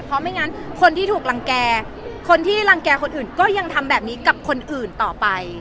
เพราะไม่งั้นคนที่ถูกรังแก่คนที่รังแก่คนอื่นก็ยังทำแบบนี้กับคนอื่นต่อไป